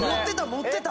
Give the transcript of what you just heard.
持ってた！